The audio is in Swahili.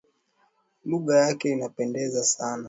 Lugha yake inapendeza sana